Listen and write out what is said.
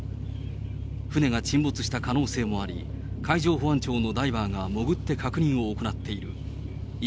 船が沈没した可能性もあり、海上保安庁のダイバーが潜って確認を行っている。